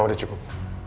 moh udah cukup